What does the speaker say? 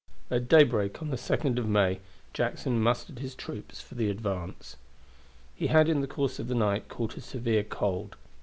At daybreak on the 2d of May Jackson mustered his troops for the advance. He had in the course of the night caught a severe cold.